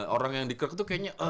orang yang di krek tuh kayaknya aduh